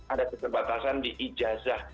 ada keterbatasan di ijazah